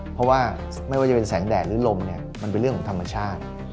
เพราะว่าไม่ว่าจะเป็นแสงแดดหรือลมเนี่ยมันเป็นเรื่องของธรรมชาติ